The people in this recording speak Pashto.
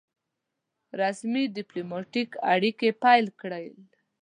رسمي ډيپلوماټیک اړیکي پیل کړل.